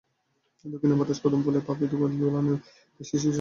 দক্ষিণা বাতাস কদম ফুলের পাপড়ি দোলালেও এখনো শিশিরসিক্ত ভেজা ঘাস চোখে পড়েনি।